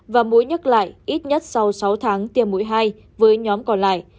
và mỗi nhắc lại ít nhất sau sáu tháng tiêm mũi hai với nhóm còn lại